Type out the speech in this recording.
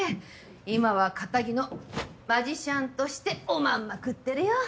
今はかたぎのマジシャンとしておまんま食ってるよ。